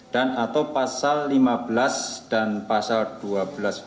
dan atau pasal lima belas dan pasal dua belas b